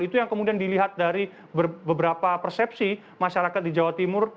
itu yang kemudian dilihat dari beberapa persepsi masyarakat di jawa timur